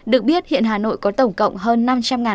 được biết hiện hà nội có tổng cộng hơn năm trăm linh học sinh mầm non